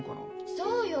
そうよ。